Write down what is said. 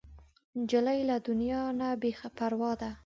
نجلۍ له دنیا نه بې پروا ده.